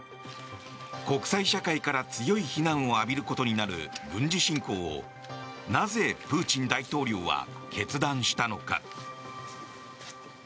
国際社会から強い非難を浴びることになる軍事侵攻をなぜプーチン大統領は決断したのか。